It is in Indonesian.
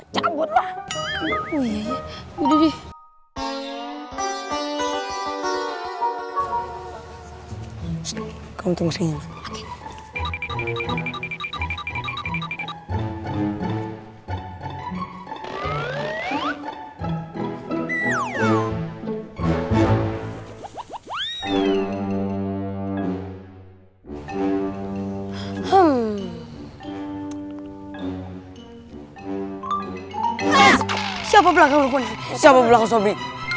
gak tau lukuannya apa yang disini